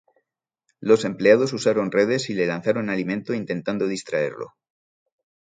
Los empleados usaron redes y le lanzaron alimento intentando distraerlo.